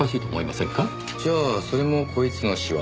じゃあそれもこいつの仕業？